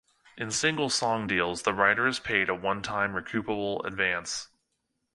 In single song deals, the writer is paid a one-time recoupable advance.